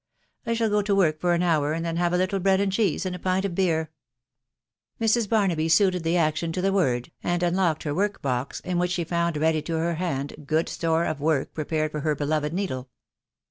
I shall go to work for an hour, and then have a littk bread and cheese and a pint of beer." Mrs. Barnaby suited the action to the word, and unlocked her work box, in which she found ready to her hand good store of work prepared for her beloved needle.